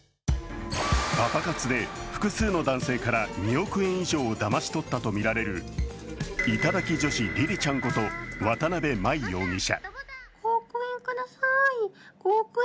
パパ活で複数の男性から２億円以上をだましとったとみられる頂き女子りりちゃんこと渡邊真衣容疑者。